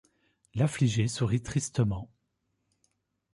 L’affligée sourit tristement.